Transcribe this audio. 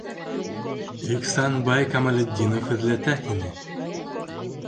- Ихсанбай, Камалетдинов эҙләтә һине!